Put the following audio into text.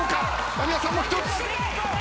間宮さんも１つ。